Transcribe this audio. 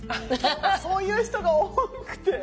そういう人が多くて。